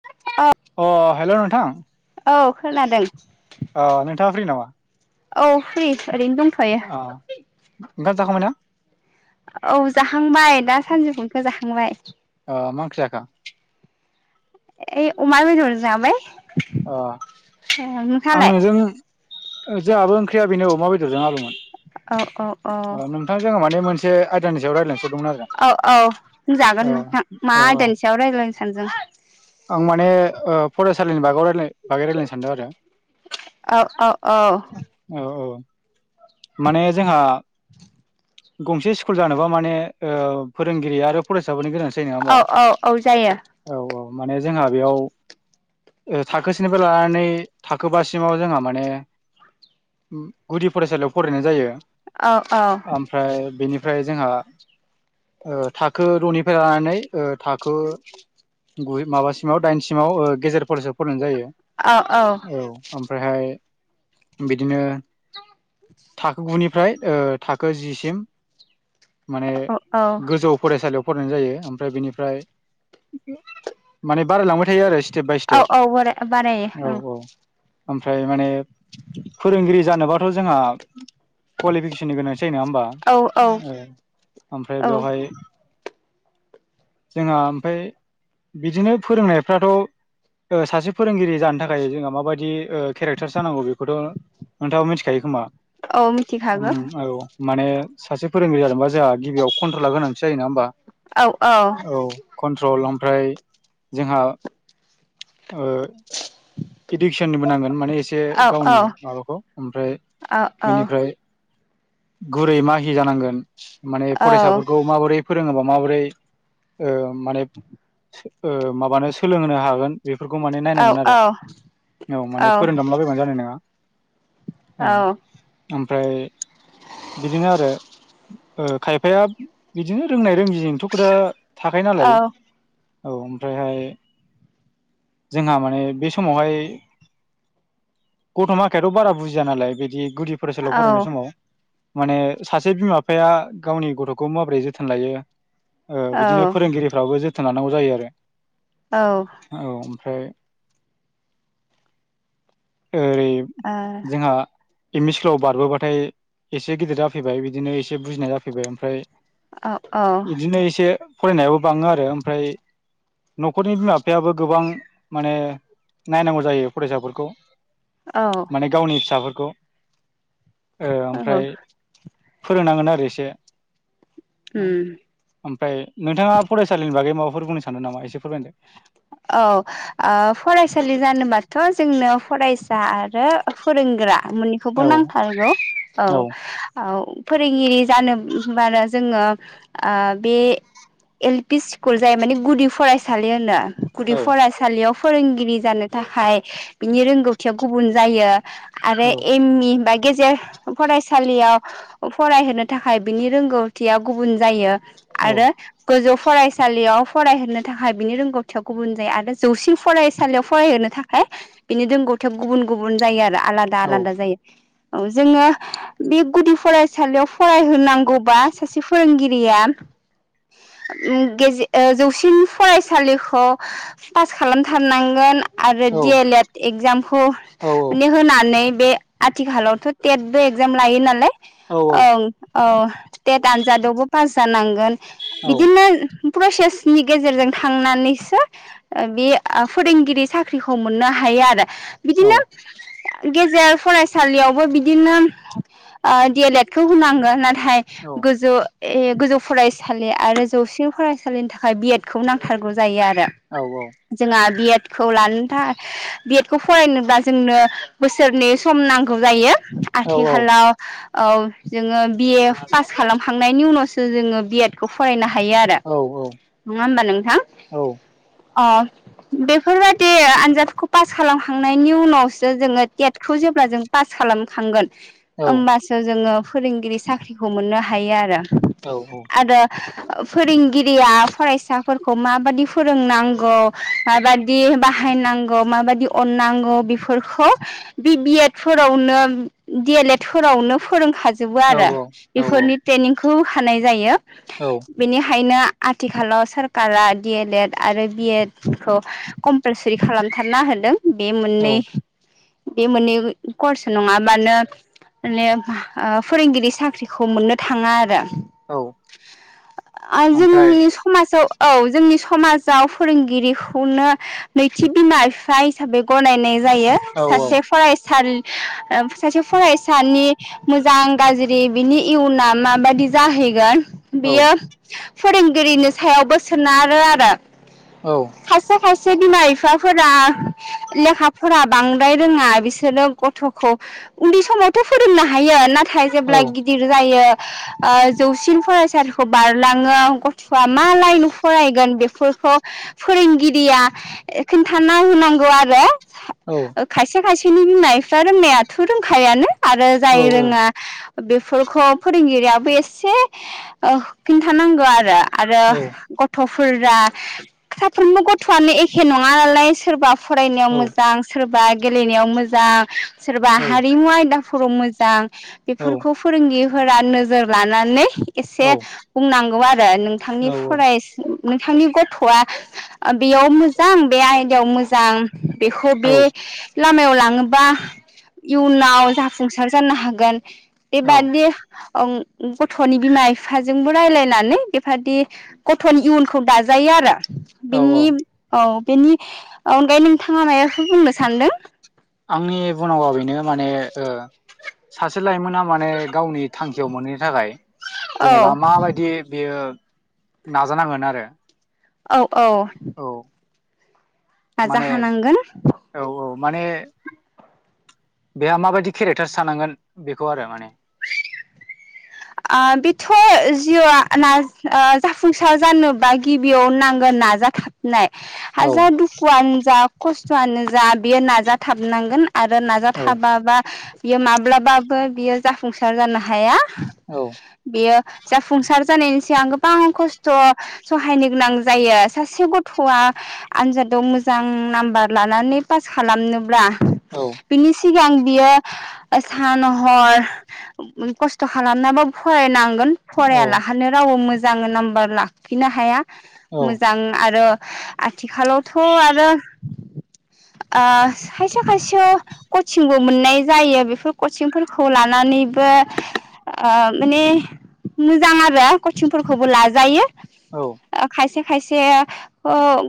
[unintelligible] अ hello नोंथां औ खोनादों अ नोंथाङा फ्रि नामा? औ फ्रि ओरैनो दंथ'यो। अ ओंखाम जाखांबायना? औ जाखांबाय दा सानजौफुनिखौ जाखांबाय। ओ मा ओंख्रि जाखो? एै अमाबेदर जों जाबाय अ आं नोंथाङालाय नोंजों जोंहाबो ओंख्रिया बेनो अमा बेदरजों आलुमोन औ औ ओ नोंथां जोङो माने मोनसे आयदानि सायाव रायज्लाय नोसो हरदोंमोन आरो औ औ बुंजागोन औ नोंथां मा औ औ आयदानि सायाव रायज्लायनो सानदों। आं माने ओ फरायसालिनि बागाव रायलाय बागै रायजलायनो सानदों आरो औ औ औ औ औ माने जोंहा गंसे स्कुल जानोबा माने ओ फोरोंगिरि आरो फरायसाफोरनि गोनांथि जायो नङा होमबा औ औ औ जायो औ औ माने जोंहा बेयाव ओ थाखोसेनिफ्राय लानानै थाखोबासिमाव जोंहा माने उम गुदि फरायसालियाव फरायनाय जायो। औ औ ओमफ्राय बेनिफ्राय जोंहा ओ थाखो द'निफ्राय लानानै ओ थाखो गु माबासिमाव दाइनसिमाव ओ गेजेर फरायसाआव फरायनाय जायो। औ औ औ ओमफ्रायहाय बिदिनो थाखो गुनिफ्राय ओ थाखो जिसिम माने औ गोजौ फरायसालियाव फरायनाय जायो ओमफ्राय बेनिफ्राय माने बारायलांबाय थायो आरो इस सिटेप बाय सिटेप हआरे बारेयो औ औ ओमफ्राय माने फोरोंगिरि जानोबाथ' जोङा कुवालिफिकेसननि गोनांथि जायो नङा होमबा औ औ ओ औ ओमफ्राय बेवहाय जोंहा ओमफाय बिदिनो फोरोंनायफ्राथ' ओ सासे फोरोंगिरि जानो थाखाय जोंहा माबायदि ओ केरेक्टार जानांगौ बेखौथ' नोंथाङाबो मिथिखायो खोमा औ उम मिथिखागौ औ माने सासे फोरोंगिरि जानोबा जोंहा गिबियाव कन्ट्रला गोनांथि जायो नङा होमबा औ औ औ कन्ट्रल ओमफ्राय जोंहा ओ इडिक्सनबो नांगोन माने एसे एसे औ गावनि औ माबाखौ आमफ्राय औ बिनिफ्राय गुरै माहि जानांगोन मानि औ फरायसाफोरखौ माबोरै फोरोङोबा माबोरै ओ माने ओ माबानो सोलोंहोनो हागोन बेफोरखौ माने औ नायनांगोन आरो औ माने फोरोंदामलाबायबानो जानाय नङा ओ आमफ्राय बिदिनो आरो ओ खायफाया बिदिनो रोंनाय रोङिजोंथ' खोथा थाखायो औ नालाय औ आमफ्रायहाय जोंहा माने बेसम हमावहाय गथ'माखायाथ' बारा बुजिआ नालाय बिदि गुदि फ फरायसालिआव औ फरायनाय समाव माने सासे बिमा बिफाया गावनि गथ'खौ माबोरै जोथोन लायो ओ औ बिदिनो फोरोंगिरिफ्राबो जोथोन लानांगौ जायो आरो औ औ आमफ्राय ओरैबो औ जोंहा एम इ स्कुलाव बारबोबाथाय एसे गिदिर जाफैबाय बिदिनो एसे बुजिनाय जाफैबाय आमफ्राय औ इदिनो एसे फरायनायाबो बाङो आरो आमफ्राय न'खरनि बिमा बिफायाबो गोबां मानि नायनांगौ जायो फरायसाफोरखौ औ गावनि फिसाफोरखौ ओ आमफ्राय फोरोंनांगोन आरो एसे औ उम आमफ्राय नोंथांआ फरायसालिनि बागै माबाफोर बुंनो सानदों नामा एसे फोरमायलाय औ ओ फरायसालि जानोबाथ' जोंनो फराय फरायग्रा आरो फोरोंग्रा मोननैखौबो औ नांथारगौ औ औ फोरोंगिरि जानो होमबानो जोङो ओ बे एल पि स्कुल जाय माने गुदि फरायसालि होनो गुदि औ फरायसा सालिआव फोरोंगिरि जानो थाखाय बिनि रोंगौथिआ गुबुन जायो आरो औ एम इ बा गेजेर हो फरायसालिआव फरायहोनो थाखाय बिनि रोंगौथिआ गुबुन जायो औ आरो गोजौ फरायसालिआव फरायहोनो था थाखाय बिनि रोंगौथिआ गुबुन जायो आरो जौसिन फरायसालिआव फरायहोनो थाखाय बिनि रोंगौथिआ गुबुन गुबुन जायो आरो आलादा औ आलादा जायो औ जोङो बे गुदि फरायसालिआल फरायहोनांगौबा सासे फोरोंगिरिआ ओ गेजेर जौसिन फरायसालिखौ ओ पास खालामथारनांगोन आ आरो डि एल एड एक्जामखौ ओ औ माने होनानै बे आथिखालावथ' टेटबो एकजाम लायो नालाय औ ओं औ टेट आनजादावबो पास जानांगोन बिदिनो ओ प्र'सेसनि गेजेरजोंसो थांनानैसो ओ बे फोरोंगिरि साख्रिखौ मोननो हायो आरो औ बिदिनो ओ गेजेर फरायसालिआवबो बिदिनो ओ डि एल एडखौ होनांगो नाथाय गोजौ ए गोजौ फरायसालि आरो जौसिन फरायसालिनि थाखाय बि एद खौ नांथारगोै थारगौ जायो आरो औ औ जोंहा बि एद खौ लानो थाखाय बि एद खौ फरायनोबा जोंनो बोसोरनै सम नांगौ जायो आथिखालाव औ जोङो बिए पास खालामखांनायनि उनावसो जोङो बि एड खौ फरायनो हायो आरो औ नङा होमबा नोंथां औ अ बेफोरबाददि आनजादखौ पास खालामखांनायनि उनावसो जोङो टेटखौ जेब्ला जों पास खालामखांगोन होमबासो जोङो फोरोंगिरि साख्रिखौ मोननो हायो आरो। औ औ आरो फोरोंगिरिया फरायसा फोरखौ माबादि फोरोंनांगौ माबादि बाहायनांगौ माबादि अननांगौ बेफोरखौ बि बि एड फोरावनो डि एल एड फोरावनो फोरोंखाजोब जोबो आरो बेफोरनि ट्रेनिंखौ हानाय जायो। औ बेनिखायनो आथिखालाव सोर सरकारा डि एल एड आरो बि एड खौ कम्पालसरि खालामथारना होदों। बे औ मोननै बे मोननै कर्स नङाबानो माने ओ फोरोंगिरि साख्रिखौ मोननो थाङा आरो। औ आं ओमफ्राय जोंनि समाजाव औ जोंनि समाजाव फोरोंगिरिखौनो नैथि बिमा बिफाय हिसाबै गनायनाय जायो औ सासे फरायसा सासे फरायसानि मोजां गाज्रि बिनि इयना माबादि जाहैगोन। औ बियो फोरोंगिरिनि सायावबो सोनारो आरो। औ खायसे खायसे बिमा बिफाफोरा लेखाफोरा बांद्राय रोङा बिसोरो ग र' खौ उन्दै समावथ' फोरोंनो हायो नाथाय औ जेब्ला गिदिर जायो जौसिन फरायसालिखौ बारलाङो गथ'आ मा लाइन फरायगोन बेफोरखौ फोरोंगिरिया खोन्थाना होनांगौ आरो। औ खायसे खायसेनि बिमा बिफाफ्रा रोंनायाथ' रोंखायानो आरो जाय औ औ रोङा बेफोरखौ फोरोंगिरियाबो एसे ओ खिन्थानांगौ आरो। आरो गथ'फोरा साफ्रोमबो गथ'आनो एखे नङा नालाय सोरबा फरायनायाव मोजां सोरबा गेलेनायाव मोजां सोरबा हारिमु आयदा फोराव' मोजां बेफोरखौ फोरोंगिरिफोरा नोजोर लानानै एसे बुंनांगौ आरो नोंथांनि फराय नोंथांनि गथ'आ बेयाव मोजां बे आयदायाव मोजां। बेखौ बे लामायाव लाङोबा इयुनाव जाफुंसार जानो हागोन औ बेबादि ओम गथ'नि बिमा बिफाजोंबो रायलायनानै बेबादि गथ'नि इयुनखौ दाजायो आरो औ औ बिनि औ बेनि अनगायै नोंथाङा माइबाफोर बुंनो सानदों। आंनि बुंनांगौआ बेनो माने ओ सासे लाइमोना माने गावनि थांखियाव मोनहैनो थाखाय औ जेनेबा माबायदि बियो नाजानांगोन आरो। औ औ औ माने नाजाखानांगोन‌। औ औ माने बेहा माबायदि केरेक्टार थानांगोन बेखौ आरो माने आ बेथ' जिउआ ओ जाफुंसार जानोबा गिबियाव नांगोन नाजा नाय औ हाजार दुखुआनो जा खस्थ'आनो जा बेयो नाजाथाबनांगोन। आरो औ नाजाथाबाबा बियो माब्लाबाबो बियो जाफुंसार जानो हाया। औ बेयो जाफुंसार जानायनि सिगां गोबां खस्थ'। सहायनो गोनां जायो सासे गथ'आ आनजादाव मोजां नाम्बार लानानै पास खालामनोब्ला औ बिनि सिगां बियो सान हर खस्थ' खालाम नाबाबो फरायनांगोन औ फरायालाहानो रावबो मोजां नाम्बार लाखिनो हाया औ मोजां आरो आथिखालावथ' आरो ओ खायसे खायसे कचिंबो मोननाय जायो बेफोर कचिंफोरखौ लानानैबो ओ माने मोजां आरो कचिंफोरखौबो लाजायो औ ओ खायसे खायसे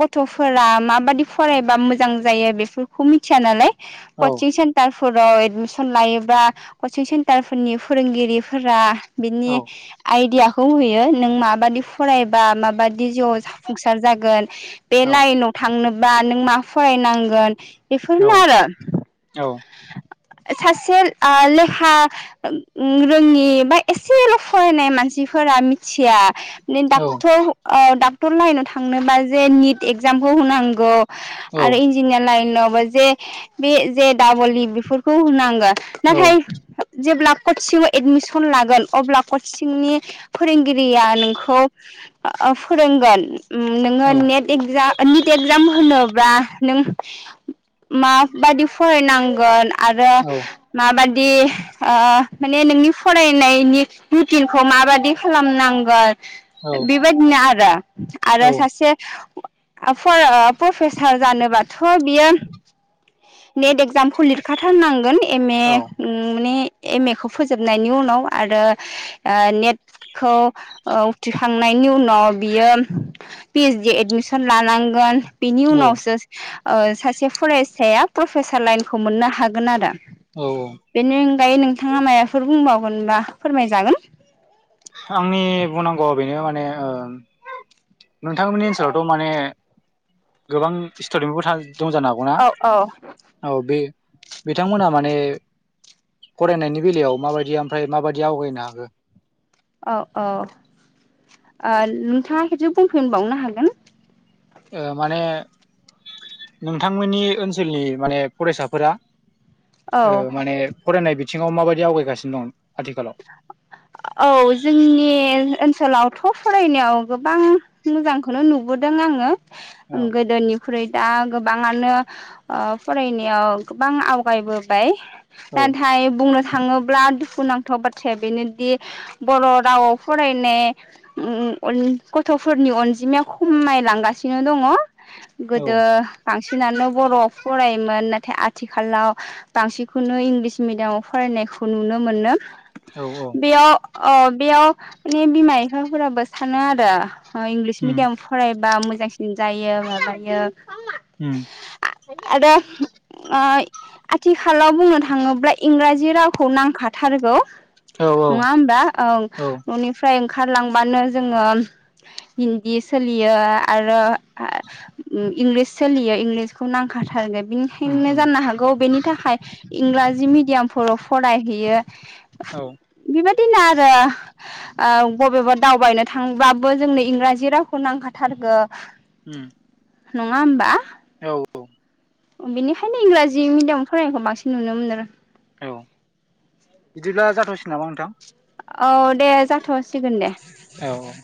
गथ'फोरा माबायदि फरायबा मोजां जायो बेफोरखौ मिथिया नालाय औ कचिं सेन्टारफोराव एडमिसन लायोब्ला कचिं सेन्टार फोरनि फोरोंगिरि फोरा बिनि आइडिया खौ होयो नों माबादि फरायबा माबादि जिउ जाफुंसार जागोन बे औ लाइनाव थांनोबा नों मा फरायनांगोन औ बेफोरनो आरो औ सासे आ लेखा रोङि बा एसेल' फरायनाय मानसिफोरा मिथिया डक्टर ओ डाक्टर लाइनाव थांनोबा जे निट एक्जामखौ होनांगौ आरो इन्जिनियार लाइनावबो जे बे जे दाब'ललि बेफोरखौ होनांगो नाथाय जेब्ला कचिं एडमिसन लागोन अब्ला कचिंनि फोरोंगिरिया नोंखौ ओ फोरोंगोन नोङो नेट इग निट एक्जाम होनोब्ला नों माबायदि फरायनांगोन आरो माबादि आ माने नोंनि फरायनायनि रुटिनखौ माबायदि खालामनांगोन बेबायदिनो आरो आरो सासे आ प्रफेसार जानोबाथ' बियो नेट एक्जामखौ लिरखाथारनांगोन एम ए उम माने एम ए खौ फोजोबनायनि उनाव आरो नेट खौ उथ्रिखांनायनि उनाव बियो पि एइस डि एडमिसन लानांगोन बिनि औ उनावसो ओ सासे फरायसाया प्रफेसार लाइनखौ मोननो हागोन आरो औ बेनि अनगायै नोंथाङा मायाबाफोर बुंबावगोनबा फोरमायजागोन आंनि बुंनांगौआ बेनो माने ओ नोंथांमोननि ओनसोलावथ' माने गोबां स्टुडेनबो था दं जानो हागौना औ औ औ बे बिथांमोना माने फरायनायनि बेलायाव माबायदि ओमफ्राय माबायदि आवगायनो हाखो? औ औ ओ नोंथाङा खेबसे बुंफिनबावनो हागोन ओ माने नोंथांमोननि ओनसोलनि माने फरायसाफोरा ओ औ माने फरायनाय बिथिङाव माबायदि आवगायगासिनो दं आथिखालाव?? औ जोंनि ओनसोलावथ' फरायनायाव गोबां मोजांखौनो नुबोदों आङो औ गोदोनि ख्रुइ दा गोबाङानो फरायनायाव गोबां आवगायबोबाय। औ नाथाय बुंनो थाङोब्ला दुखु नांथाव बाथ्राया बेनो दि बर' रावाव फरायनाय ओ गथ'फोरनि अनजिमाया खमायलांगासिनो दङ। औ गोदो बांसिनानो बर'आव फरायोमोन नाथाय आथिखालाव बांसिनखौनो इंलिस मिडियामाव फरायनायखौ नुनो मोनो। औ औ। बेयाव ओ बेयाव माने बिमा इफाफोराबो सानो आरो ओ इंग्लिस उम मिडियाम फरायबा मोजांसिन जायो माबायो उम आरो आय आथिखालाव बुंनो थाङोब्ला इंराजि रावखौ नांखाथारगौ औ नङा होमबा ओं औ न'निफ्राय ओंखारलांबानो जोङो हिन्दी सोलियो आरो आ उम इंलिस सोलियो इंलिसखौ नांखाथारगोन बिनि उम फिननो उम जानो हागौ बेनि थाखाय इंराजि मिडियामफोराव फर'-फरायहैयो। औ। बिबादिनो आरो औ बबेबा दावबायनो थांबाबो जोंनो इंराजि रावखौ नांखाथारगो। उम। नङा होमबा? औ औ। उम बेनिखायनो इंराजि मिडियाम फरायनायखौ बांसिन नुनो मोनो। औ, इदिब्ला जाथ'सिगोन नामा नोंथां? औ, दे जाथ'सिगोन दे। औ औ।